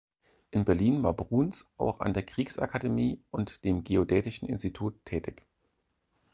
In Berlin war Bruns auch an der Kriegsakademie und dem Geodätischen Institut tätig.